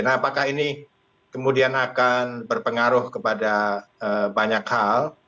nah apakah ini kemudian akan berpengaruh kepada banyak hal